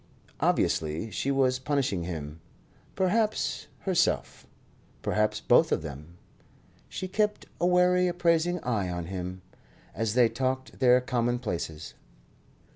Obviously she was punishing him; perhaps herself; perhaps both of them. She kept a wary, appraising eye on him, as they talked their commonplaces.